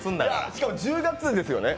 しかも１０月ですよね。